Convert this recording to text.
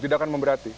tidak akan memberati